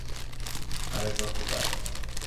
আরে জলদি কর।